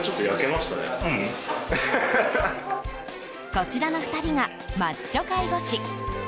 こちらの２人がマッチョ介護士。